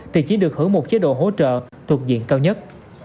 thì chính được hướng một chế độ hỗ trợ thuộc diện cao nhất